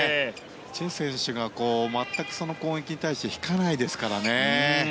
チェ選手が全くその攻撃に対して引かないですからね。